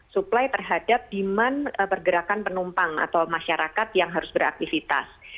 supply terhadap demand pergerakan penumpang atau masyarakat yang harus beraktivitas